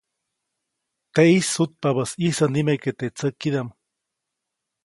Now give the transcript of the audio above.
Teʼis sutpabäʼis ʼyisä nimeke teʼ tsäkidaʼm.